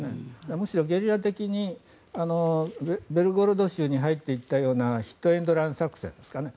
むしろ、ゲリラ的にベルゴロド州に入っていったようなヒットエンドラン作戦ですかね。